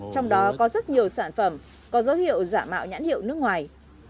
trong đó có rất nhiều sản phẩm có dấu hiệu giả mạo nhãn hiệu nước ngoài